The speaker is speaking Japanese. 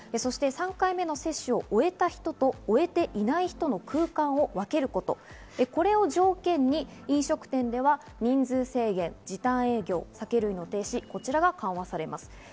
そして３回目の接種を終えた人と終えていない人との空間を分けること、これを条件に飲食店では人数制限、時短営業、酒類の提供禁止が緩和されます。